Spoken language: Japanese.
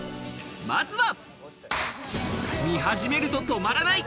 まずは、見始めると止まらない。